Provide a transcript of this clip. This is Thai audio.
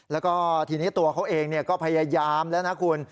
แล้วก็ทีนี้ตัวเขาเองก็พยายามแล้วนะคุณ